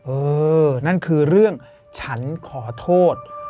เออนั่นคือเรื่องฉันขอโทษ